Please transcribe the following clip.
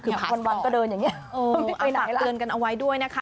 คือวันก็เดินอย่างนี้ไปฝากเตือนกันเอาไว้ด้วยนะคะ